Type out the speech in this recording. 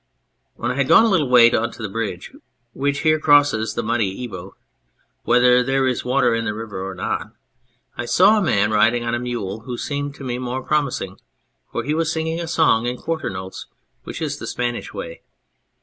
" When I had gone a little way on to the bridge which here crosses the muddy Ebro, whether there is water in the river or not, I saw a man riding on a mule who seemed to me more promising, for he was singing a song in quarter notes, which is the Spanish way.